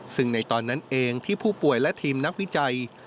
ซึ่งในตอนนั้นเองที่ผู้ป่วยและทีมนักวิจัย